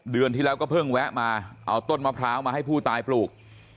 เดือนที่แล้วก็เพิ่งแวะมาเอาต้นมะพร้าวมาให้ผู้ตายปลูก